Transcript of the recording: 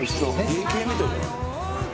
家系みたいじゃない？